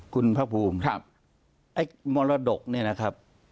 คุณพระภูมิไอ้มรดกเนี่ยนะครับ